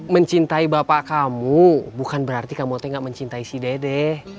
mencintai bapak kamu bukan berarti kamu tuh gak mencintai si dede